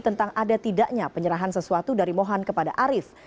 tentang ada tidaknya penyerahan sesuatu dari mohan kepada arief